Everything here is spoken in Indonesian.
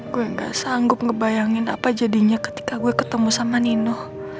gue gak sanggup ngebayangin apa jadinya ketika gue ketemu sama nino